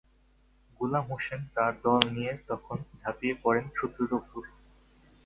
গোলাম হোসেন তার দল নিয়ে তখন ঝাঁপিয়ে পড়েন শত্রুর ওপর।